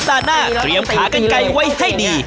สัปดาห์หน้าเตรียมพากันไกลไว้ให้ดี